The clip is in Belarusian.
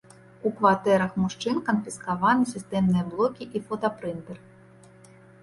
У кватэрах мужчын канфіскаваныя сістэмныя блокі і фотапрынтэр.